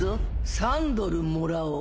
３ドルもらおう。